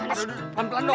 lalu lalu pelan pelan dong